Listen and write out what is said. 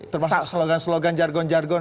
termasuk slogan slogan jargon jargon